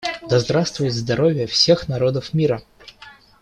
Да здравствует здоровье всех народов мира!